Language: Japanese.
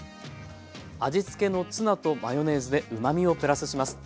味付けのツナとマヨネーズでうまみをプラスします。